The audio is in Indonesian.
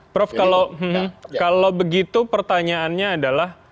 prof kalau begitu pertanyaannya adalah